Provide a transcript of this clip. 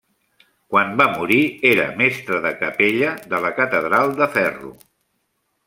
Quan va morir era mestre de capella de la catedral de Ferro.